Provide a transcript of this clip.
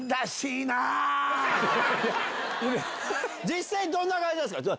実際どんな感じなんすか？